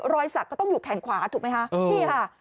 รอยสักก็ต้องอยู่แขนขวาถูกไหมคะนี่ค่ะ